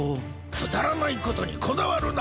くだらないことにこだわるな！